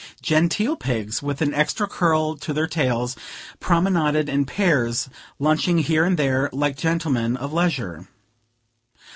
Genteel pigs, with an extra curl to their tails, promenaded in pairs, lunching here and there, like gentlemen of leisure.